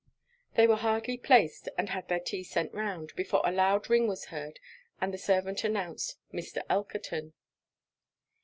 They were hardly placed, and had their tea sent round, before a loud ring was heard, and the servant announced 'Mr. Elkerton.'